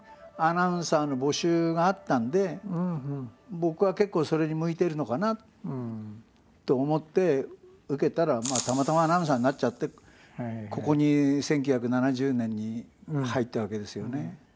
僕は結構それに向いてるのかなと思って受けたらたまたまアナウンサーになっちゃってここに１９７０年に入ったわけですよね。